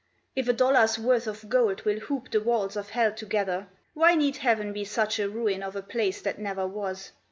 If a dollar's worth of gold will hoop the walls of hell together, Why need heaven be such a ruin of a place that never was?